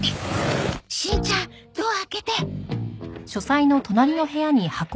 しんちゃんドア開けて。